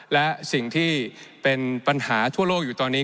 และสิ่งที่เป็นปัญหาทั่วโลกอยู่ตอนนี้